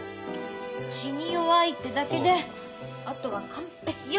血に弱いってだけであとは完璧よ。